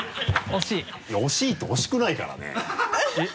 「惜しい」って惜しくないからね。